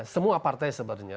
semua partai sebenarnya